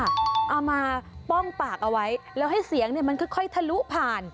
เอามาป้องปากเอาไว้แล้วให้เสียงเนี่ยมันค่อยทะลุผ่าน